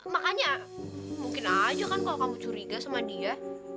makanya mungkin aja kan kalau kamu curiga sama dia